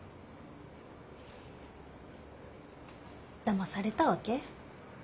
だまされたわけ？